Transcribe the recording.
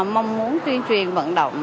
mong muốn tuyên truyền vận động